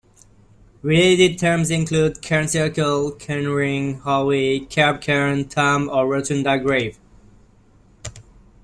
Related terms include "cairn circle", "cairn ring", "howe", "kerb cairn", "tump" or "rotunda grave".